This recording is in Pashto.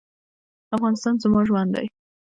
افغانستان زما ژوند دی؟